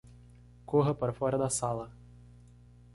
Corra para fora da sala